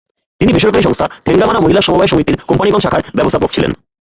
তিনি বেসরকারি সংস্থা ঠেঙ্গামারা মহিলা সমবায় সমিতির কোম্পানীগঞ্জ শাখার ব্যবস্থাপক ছিলেন।